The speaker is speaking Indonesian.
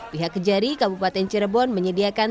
pihak kejari kabupaten cirebon menyediakan